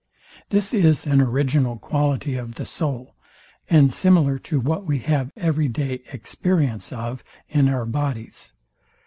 This is an original quality of the soul, and similar to what we have every day experience of in our bodies.